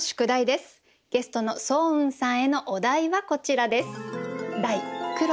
ゲストの双雲さんへのお題はこちらです。